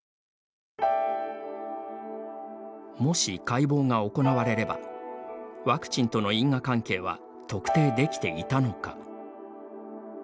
もし、解剖が行われればワクチンとの因果関係は特定できていたのか。